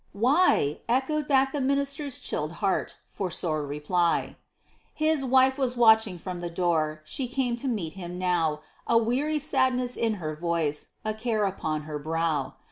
Why? echoed back the minister's chilled heart, for sole reply. His wife was watching from the door; she came to meet him now A weary sadness in her voice, a care upon her brow.